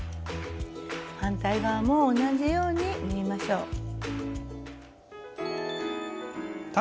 反対側も同じように縫いましょう。